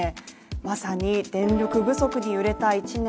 まさに電力不足に揺れた１年。